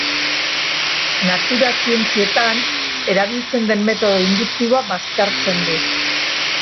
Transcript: Natura zientzietan erabiltzen den metodo induktiboa baztertzen du.